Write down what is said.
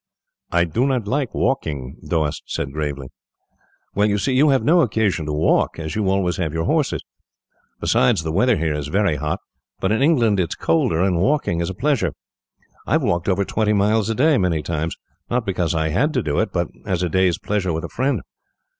"I do not like walking," Doast said gravely. "Well, you see, you have no occasion to walk, as you always have your horses. Besides, the weather here is very hot. But in England it is colder, and walking is a pleasure. I have walked over twenty miles a day, many times, not because I had to do it, but as a day's pleasure with a friend."